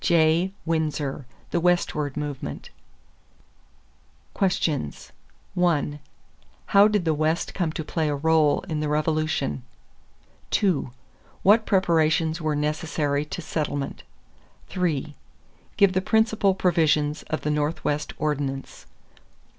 J. Winsor, The Westward Movement. =Questions= 1. How did the West come to play a rôle in the Revolution? 2. What preparations were necessary to settlement? 3. Give the principal provisions of the Northwest Ordinance.